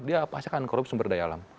dia pasti akan korupsi sumber daya alam